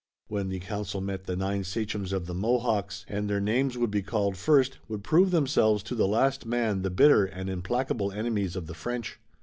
When the council met the nine sachems of the Mohawks, and their names would be called first, would prove themselves to the last man the bitter and implacable enemies of the French.